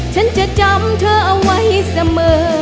ฉันจะจำเธอเอาไว้เสมอ